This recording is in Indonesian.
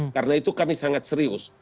karena itu kami sangat serius